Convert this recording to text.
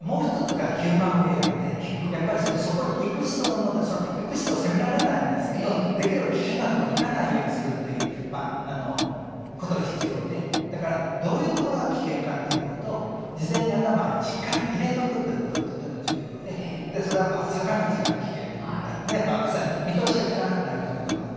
もう一つがヒューマンウエアでやっぱりそこに行く人の問題行く人を責められないんですけどできれば危険な所に行かないようにするということが必要でだからどういう所が危険かというのを事前に頭にしっかり入れておくということがとても重要で坂道が危険でまさに見通しがきかなくなるということもあります。